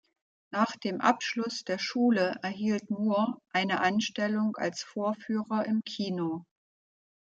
Nach dem Abschluss der Schule erhielt Moore eine Anstellung als Vorführer im Kino.